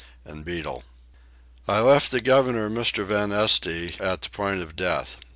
I left the governor Mr. van Este at the point of death.